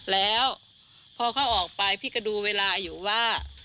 แล้วพอเขาออกไปพี่ก็ดูเวลาอยู่ว่า